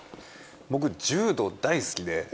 僕、柔道大好きで。